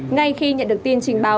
ngay khi nhận được tin trình báo